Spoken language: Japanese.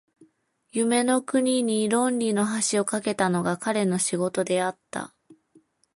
夢の国に論理の橋を架けたのが彼の仕事であった。